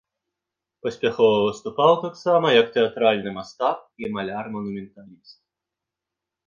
Паспяхова выступаў таксама як тэатральны мастак і маляр-манументаліст.